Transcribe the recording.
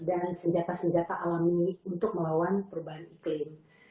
dan senjata senjata alami untuk melawan perubahan iklim